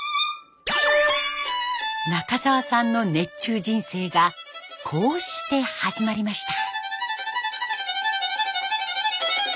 中澤さんの熱中人生がこうして始まりました。